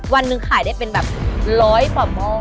วันนึงขายได้เป็นแบบ๑๐๐ป